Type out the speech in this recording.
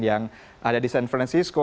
yang ada di san francisco